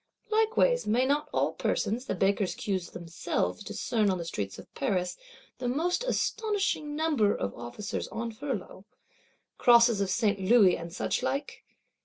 Likewise, may not all persons, the Bakers' queues themselves discern on the streets of Paris, the most astonishing number of Officers on furlough, Crosses of St. Louis, and such like?